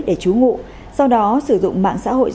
để trú ngụ sau đó sử dụng mạng xã hội